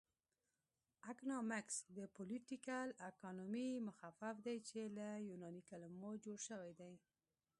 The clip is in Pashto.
اکنامکس د پولیټیکل اکانومي مخفف دی چې له یوناني کلمو جوړ شوی دی